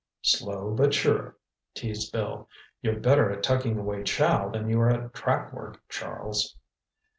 "Slow but sure," teased Bill. "You're better at tucking away chow than you are at track work, Charles."